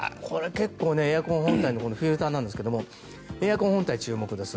エアコン本体のフィルターなんですがエアコン本体に注目です。